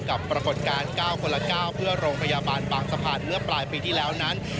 ปรากฏการณ์๙คนละ๙เพื่อโรงพยาบาลบางสะพานเมื่อปลายปีที่แล้วนั้น